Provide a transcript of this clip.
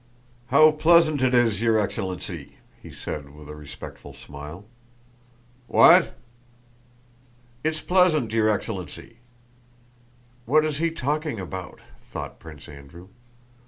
"How pleasant it is, your excellency!" he said with a respectful smile. "What?" "It's pleasant, your excellency!" "What is he talking about?" thought Prince Andrew.